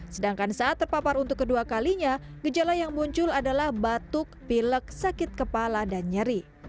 sedangkan saat terpapar untuk kedua kalinya gejala yang muncul adalah batuk pilek sakit kepala dan nyeri